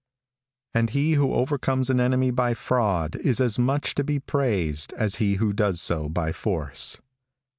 _... and he who overcomes an enemy by fraud is as much to be praised as he who does so by force.